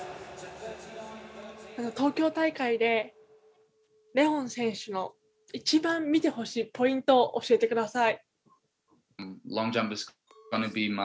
東京大会でレオン選手の一番見てほしいポイントを教えてください。